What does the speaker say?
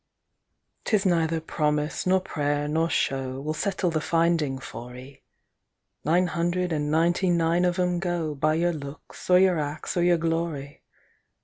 'Tis neither promise nor prayer nor showWill settle the finding for 'ee. Nine hundred and ninety nine of 'em goBy your looks, or your acts, or your glory.